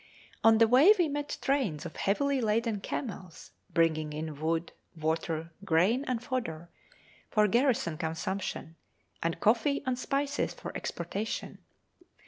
On the way we met trains of heavily laden camels bringing in wood, water, grain, and fodder, for garrison consumption, and coffee and spices for exportation.